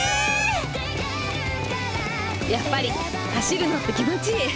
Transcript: やっぱり走るのって気持ちいい！